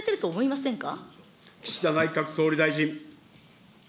透岸田内閣総理大臣。